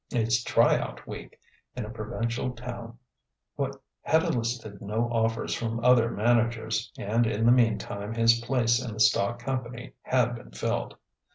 Its "try out week" in a provincial town had elicited no offers from other managers, and in the meantime his place in the stock company had been filled.